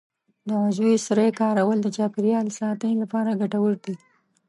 د عضوي سرې کارول د چاپیریال ساتنې لپاره ګټور دي.